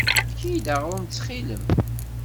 Efk-iyi-d aɣrum ttxil-m.